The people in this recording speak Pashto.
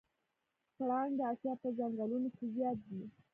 پړانګ د اسیا په ځنګلونو کې زیات دی.